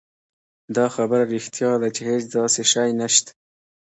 دا خبره رښتيا ده چې هېڅ داسې شی نشته